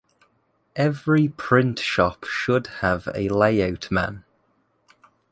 Every print shop should have a layout man.